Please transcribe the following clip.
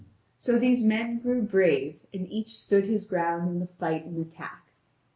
So these men grew brave and each stood his ground in the fight and attack.